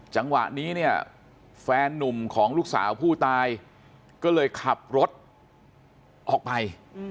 จังหวะนี้เนี่ยแฟนนุ่มของลูกสาวผู้ตายก็เลยขับรถออกไป